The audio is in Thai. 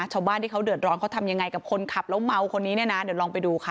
ชาวบ้านที่เขาเดือดร้อนเขาทำยังไงกับคนขับแล้วเมาคนนี้เนี่ยนะเดี๋ยวลองไปดูค่ะ